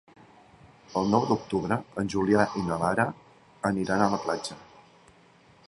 El nou d'octubre en Julià i na Lara aniran a la platja.